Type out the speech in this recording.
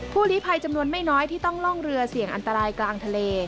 ลีภัยจำนวนไม่น้อยที่ต้องล่องเรือเสี่ยงอันตรายกลางทะเล